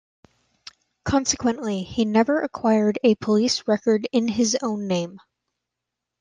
Consequently, he never acquired a police record in his own name.